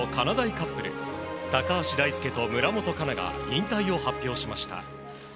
カップル高橋大輔と村元哉中が引退を発表しました。